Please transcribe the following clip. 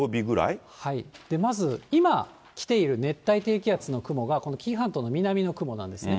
まず、今、来ている熱帯低気圧の雲が、この紀伊半島の南の雲なんですね。